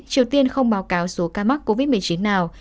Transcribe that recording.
triều tiên không báo cáo số ca mắc covid một mươi chín nào